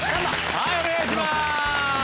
はいお願いします。